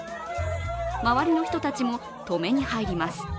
周りの人たちも止めに入ります。